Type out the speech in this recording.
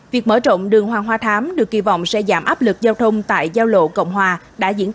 việc mở rộng đường hoàng hoa thám được kỳ vọng sẽ giảm áp lực giao thông tại giao lộ cộng hòa đã diễn ra thời gian dài